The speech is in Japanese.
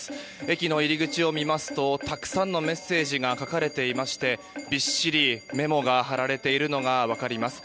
駅の入り口を見ますとたくさんのメッセージが書かれていましてびっしりメモが貼られているのが分かります。